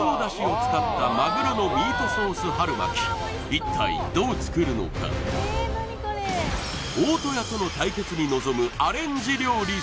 高村が作る一体どう作るのか大戸屋との対決に臨む